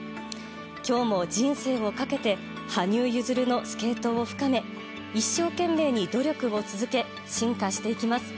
今日も人生をかけて羽生結弦のスケートを深め一生懸命努力を続け進化していきます。